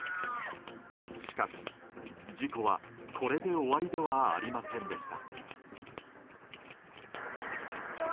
しかし、事故はこれで終わりではありませんでした。